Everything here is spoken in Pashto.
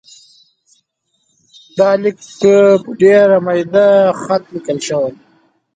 دا لیک په ډېر میده خط لیکل شوی.